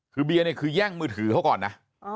คือเบียร์เนี่ยคือแย่งมือถือเขาก่อนนะ